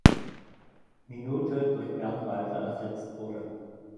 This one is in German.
Minute durch Bernd Walter ersetzt wurde.